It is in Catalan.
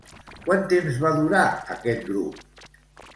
Quant temps va durar aquest grup?